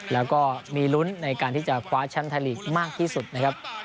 แล้วก็มีลุ้นในการที่จะคว้าแชมป์ไทยลีกมากที่สุดนะครับ